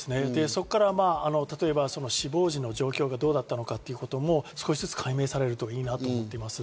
そこから死亡時の状況がどうだったのかということも少しずつ解明されるといいなと思ってます。